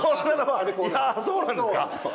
そうなんですか。